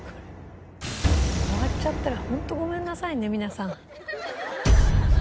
終わっちゃったらホントごめんなさいね皆さん。